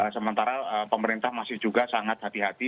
sementara pemerintah masih juga sangat hati hati